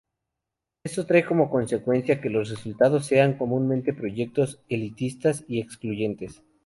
Esto trae como consecuencia que los resultados sean comúnmente proyectos elitistas y excluyentes.